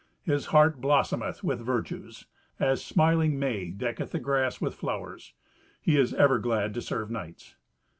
His heart blossometh with virtues, as smiling May decketh the grass with flowers. He is ever glad to serve knights."